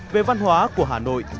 về văn hóa của hà nội